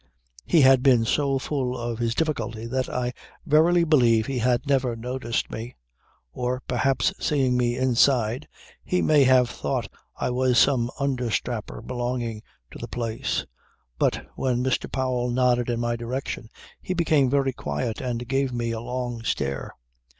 He had been so full of his difficulty that I verify believe he had never noticed me. Or perhaps seeing me inside he may have thought I was some understrapper belonging to the place. But when Mr. Powell nodded in my direction he became very quiet and gave me a long stare.